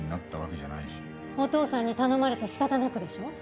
お父さんに頼まれて仕方なくでしょ？